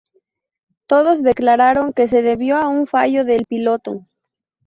Todos declararon que se debió a un fallo del piloto.